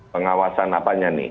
pengawasan apa ya nih